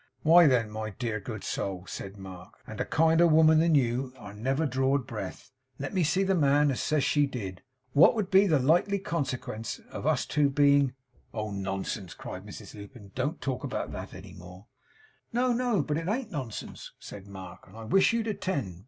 'Why, then, my dear good soul,' said Mark, 'and a kinder woman than you are never drawed breath let me see the man as says she did! what would be the likely consequence of us two being ' 'Oh nonsense!' cried Mrs Lupin. 'Don't talk about that any more.' 'No, no, but it an't nonsense,' said Mark; 'and I wish you'd attend.